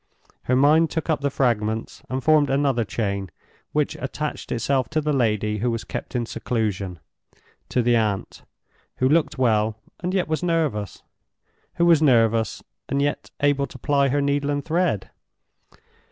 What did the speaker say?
Her mind took up the fragments, and formed another chain which attached itself to the lady who was kept in seclusion—to the aunt, who looked well, and yet was nervous; who was nervous, and yet able to ply her needle and thread.